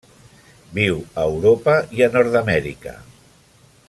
Viu a Europa i a Nord-amèrica.